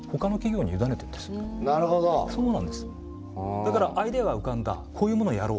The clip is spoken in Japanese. だからアイデアが浮かんだこういうものをやろう。